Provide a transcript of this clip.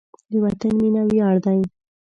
د وطن مینه ویاړ دی.